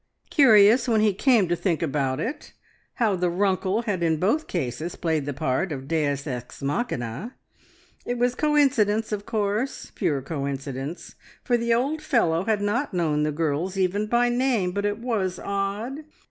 Curious, when he came to think about it, how the Runkle had in both cases played the part of deus ex machina. It was coincidence, of course, pure coincidence, for the old fellow had not known the girls even by name, but it was odd!